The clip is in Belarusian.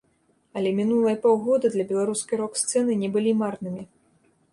Але мінулыя паўгода для беларускай рок-сцэны не былі марнымі.